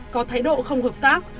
có thái độ không hợp tác